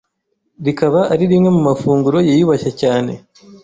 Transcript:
rikaba ari rimwe mu mafunguro yiyubashye cyane